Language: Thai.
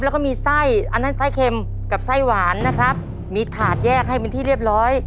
แล้วก็มีไส้อันนั้นไส้เค็มกับไส้หวานนะครับมีถาดแยกให้เป็นที่เรียบร้อย